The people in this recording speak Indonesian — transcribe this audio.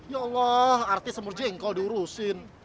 ya allah artis semur jengkol diurusin